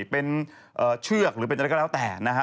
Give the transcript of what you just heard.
เป็นเชือกหรือเป็นอะไรก็แล้วแต่นะฮะ